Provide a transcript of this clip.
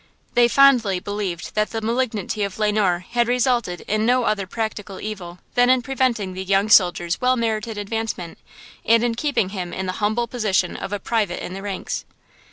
They fondly believed that the malignity of Le Noir had resulted in no other practical evil than in preventing the young soldier's well merited advancement, and in keeping him in the humble position of a private in the ranks.